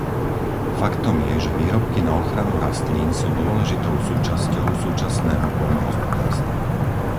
Faktom je, že výrobky na ochranu rastlín sú dôležitou súčasťou súčasného poľnohospodárstva.